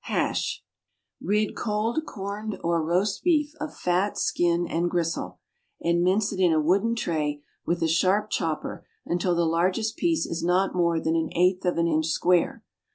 Hash. Rid cold corned or roast beef of fat, skin and gristle, and mince it in a wooden tray with a sharp chopper until the largest piece is not more than an eighth of an inch square.